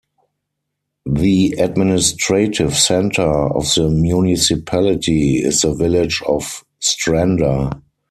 The administrative centre of the municipality is the village of Stranda.